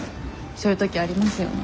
そういう時ありますよね。